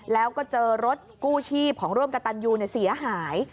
แล้วก็เจอรถกู้ชีพของร่วมกับตันยูเสียหาย